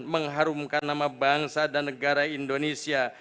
mengharumkan nama bangsa dan negara indonesia